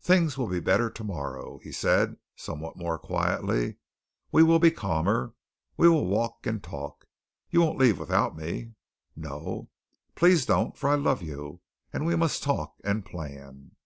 "Things will be better tomorrow," he said, somewhat more quietly. "We will be calmer. We will walk and talk. You won't leave without me?" "No." "Please don't; for I love you, and we must talk and plan."